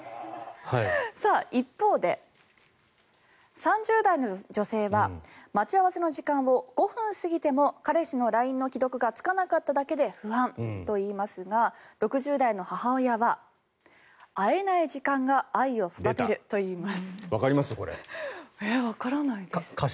一方で３０代の女性は待ち合わせの時間を５分過ぎても彼氏のＬＩＮＥの既読がつかなかっただけで不安といいますが６０代の母親は会えない時間が愛を育てると言います。